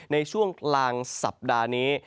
ในช่วงกลางสัปดาห์นี้